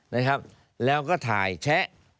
นะครับแล้วก็ถ่ายแชะ